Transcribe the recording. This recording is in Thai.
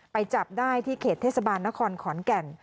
จับได้ที่เขตเทศบาลนครขอนแก่น